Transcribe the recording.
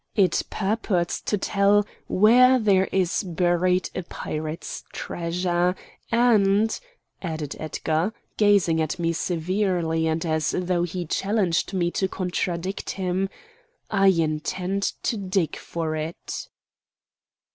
It purports to tell where there is buried a pirate's treasure. And," added Edgar, gazing at me severely and as though he challenged me to contradict him, "I intend to dig for it!"